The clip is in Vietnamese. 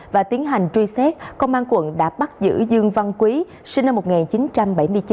và tiến hành truy xét công an quận đã bắt giữ dương văn quý sinh năm một nghìn chín trăm bảy mươi chín